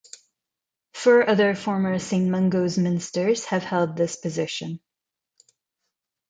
Four other former Saint Mungo's ministers have held this position.